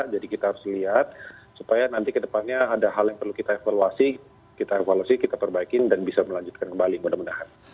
jadi kita harus lihat supaya nanti ke depannya ada hal yang perlu kita evaluasi kita evaluasi kita perbaikin dan bisa melanjutkan kembali mudah mudahan